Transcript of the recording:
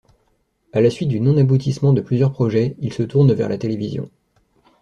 À la suite du non-aboutissement de plusieurs projets, il se tourne vers la télévision.